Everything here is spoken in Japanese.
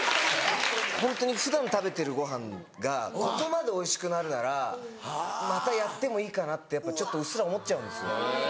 ホントに普段食べてるご飯がここまでおいしくなるならまたやってもいいかなってうっすら思っちゃうんですよ。